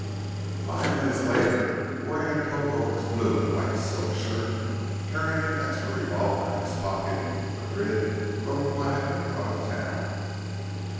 Five minutes later, wearing a coat over his blue and white silk shirt, carrying an extra revolver in his pocket, Madrid rode quietly out of town.